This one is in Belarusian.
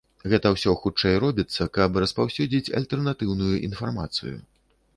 Гэта ўсё хутчэй робіцца, каб распаўсюдзіць альтэрнатыўную інфармацыю.